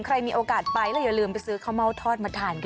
ใครมีโอกาสไปแล้วอย่าลืมไปซื้อข้าวเม่าทอดมาทานกัน